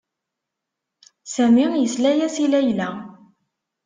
Sami yesla-as i Layla.